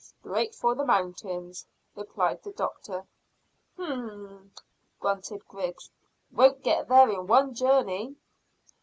"Straight for the mountains," replied the doctor. "Humph!" grunted Griggs. "Won't get there in one journey."